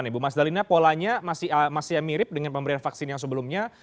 ibu mas dalina polanya masih mirip dengan pemberian vaksin yang sebelumnya